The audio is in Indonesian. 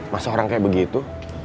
masa orang kayak begitu